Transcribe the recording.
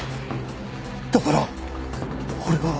だから俺は。